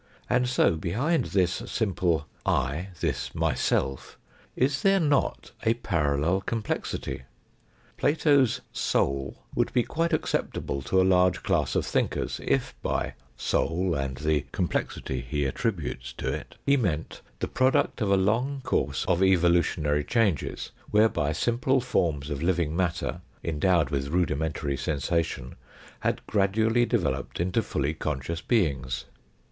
And so behind this simple " I," this myself, is there not a parallel complexity ? Plato's " soul " would be quite acceptable to a large class of thinkers, if by " soul " and the complexity he attributes to it, he meant the product of a long course of evolutionary changes, whereby simple forms of living matter endowed with rudimentary sensation had gradually developed into fully conscious beings.